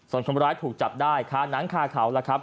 ส่วนคุมร้ายถูกจับได้ค้านั้นค่าข่าวล่ะครับ